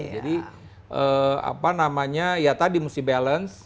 jadi apa namanya ya tadi mesti balance